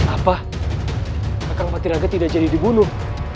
apa kakang patiraga tidak jadi dibunuh